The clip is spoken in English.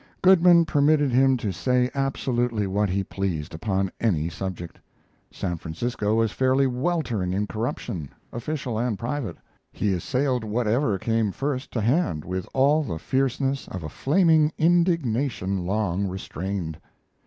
Goodman permitted him to say absolutely what he pleased upon any subject. San Francisco was fairly weltering in corruption, official and private. He assailed whatever came first to hand with all the fierceness of a flaming indignation long restrained.